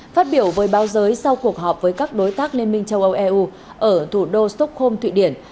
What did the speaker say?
phát biểu với báo giới sau cuộc họp với các đối tác liên minh châu âu eu ở thủ đô stockholm thụy điển